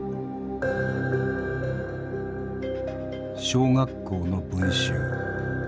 小学校の文集。